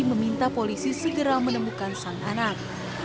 meminta polisi segera menemukan sang anak